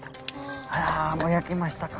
あらぼやけましたか。